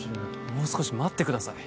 もう少し待ってください